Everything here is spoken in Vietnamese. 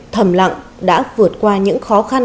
thầm lặng đã vượt qua những khó khăn